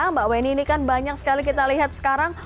mbak weni ini kan banyak sekali kita lihat sekarang